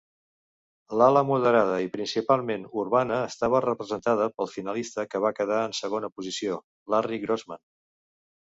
L'ala moderada i principalment urbana estava representada pel finalista que va quedar en segona posició, Larry Grossman.